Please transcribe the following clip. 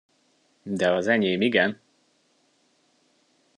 De az enyém igen!